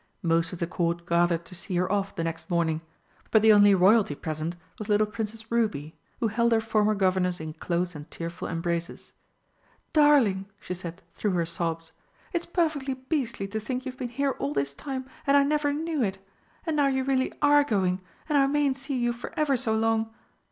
Most of the Court gathered to see her off the next morning, but the only Royalty present was little Princess Ruby, who held her former Governess in close and tearful embraces. "Darling!" she said, through her sobs, "it's perfectly beastly to think you've been here all this time and I never knew it! And now you really are going and I mayn't see you for ever so long!